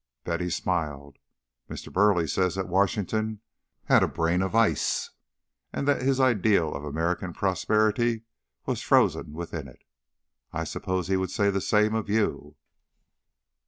Betty smiled. "Mr. Burleigh says that Washington had a brain of ice, and that his ideal of American prosperity was frozen within it. I suppose he would say the same of you."